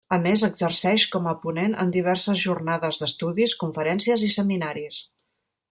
A més, exerceix com a ponent en diverses jornades d'estudis, conferències i seminaris.